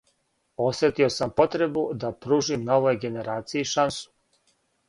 Осетио сам потребу да пружим новој генерацији шансу.